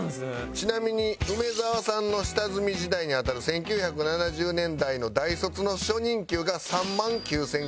ちなみに梅沢さんの下積み時代にあたる１９７０年代の大卒の初任給が３万９９００円。